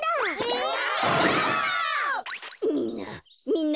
みんな。